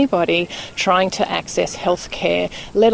untuk siapa yang mencoba untuk mengakses kesehatan